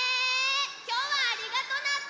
きょうはありがとナッツ！